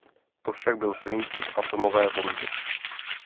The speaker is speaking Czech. To však byl princip atomové bomby.